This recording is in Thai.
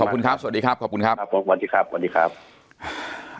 ขอบคุณครับสวัสดีครับขอบคุณครับครับผมสวัสดีครับสวัสดีครับ